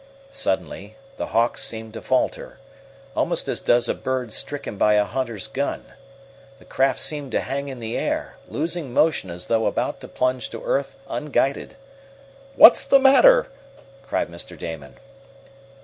Suddenly the Hawk seemed to falter, almost as does a bird stricken by a hunter's gun. The craft seemed to hang in the air, losing motion as though about to plunge to earth unguided. "What's the matter?" cried Mr. Damon.